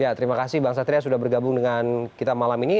ya terima kasih bang satria sudah bergabung dengan kita malam ini